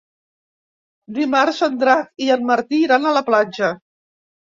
Dimarts en Drac i en Martí iran a la platja.